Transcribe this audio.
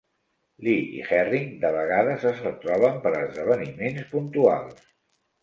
Lee i Herring de vegades es retroben per a esdeveniments puntuals.